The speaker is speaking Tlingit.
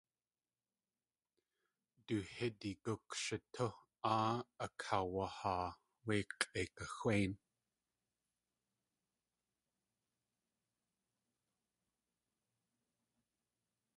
Du hídi gukshitú áa akaawahaa wé k̲ʼeikaxwéin.